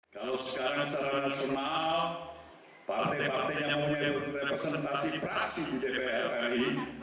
kalau sekarang secara nasional partai partainya memiliki representasi prasib di dpr ri